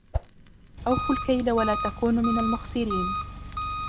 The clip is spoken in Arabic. أَوْفُوا الْكَيْلَ وَلَا تَكُونُوا مِنَ الْمُخْسِرِينَ